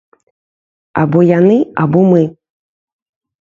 Або яны, або мы.